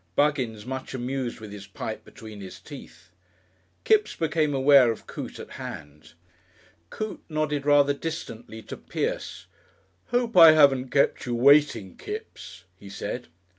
(Buggins much amused with his pipe between his teeth.) Kipps became aware of Coote at hand. Coote nodded rather distantly to Pierce. "Hope I haven't kept you waiting, Kipps," he said.